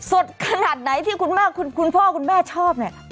สดขนาดไหนที่คุณแม่คุณพ่อคุณแม่ชอบเนี่ย